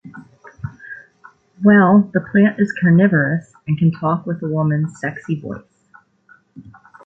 Well, the plant is carnivorous and can talk with a woman's sexy voice.